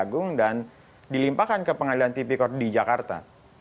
agung dan dilimpahkan ke pengadilan tipikor di jakarta